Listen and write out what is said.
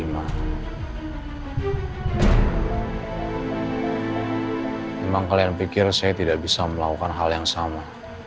memang kalian pikir saya tidak bisa melakukan hal yang sama